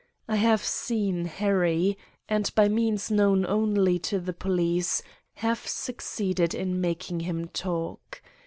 I have seen Harry, and, by means known only to the police, have succeeded in making him talk.